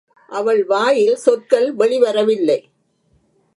அவள் வாயில் சொற்கள் வெளிவர வில்லை.